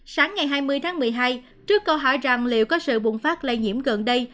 sáng ngày hai mươi tháng một mươi hai trước câu hỏi rằng liệu có sự bùng phát lây nhiễm gần đây